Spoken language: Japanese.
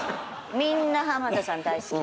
みんな浜田さん大好きです。